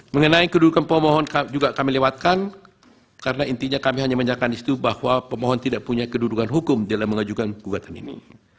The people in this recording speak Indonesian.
mengenai kedudukan pemohon juga kami lewatkan karena intinya kami hanya menyatakan di situ bahwa pemohon tidak punya kedudukan hukum dalam mengajukan gugatan ini